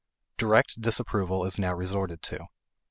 Direct disapproval is now resorted to.